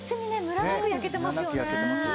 ムラなく焼けてますよね。